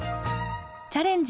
「チャレンジ！